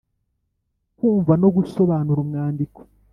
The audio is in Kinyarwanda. Kumva no gusobanura umwandiko .